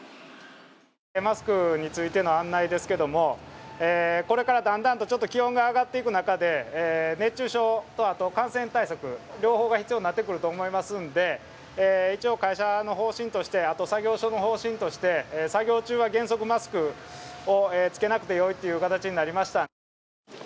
マスクについての案内ですけども、これからだんだん気温が上がっていく中で熱中症と、あと感染対策両方が必要になってくると思いますので会社の方針として、あと作業所の方針として作業中は原則マスクを着けなくてよいという形になりました。